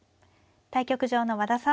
対局場の和田さん